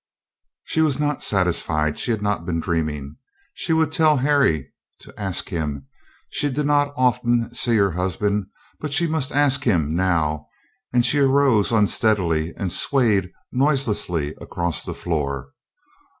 She was not satisfied. She had not been dreaming. She would tell Harry to ask him she did not often see her husband, but she must ask him now and she arose unsteadily and swayed noiselessly across the floor.